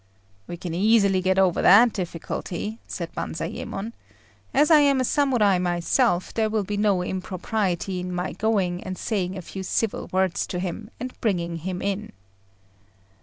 "We can easily get over that difficulty," said Banzayémon. "As I am a Samurai myself, there will be no impropriety in my going and saying a few civil words to him, and bringing him in."